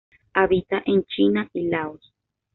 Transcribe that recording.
Habita en China y Laos.